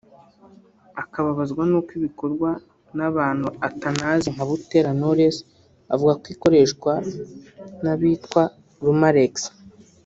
akababazwa n’uko bikorwa n’abantu atanazi nka Butera Knowless avuga ko ikoreshwa n’abitwa Rumalex